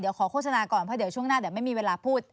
ดีละขอโฆษณาก่อนเดี๋ยวช่วงหน้าไม่มีเวลาพูด